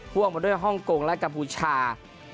พ่วงมาด้วยฮ่องกงและกับกับพูชา